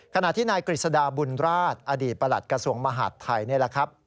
ขณะที่นายกฤษฎาบุญราชอดีตประหลัดกระทรวงมหาดไทยนี่แหละครับ